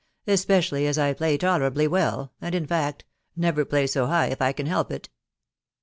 especially as I play tolerably well, and, in fact, never play so high if I can help it.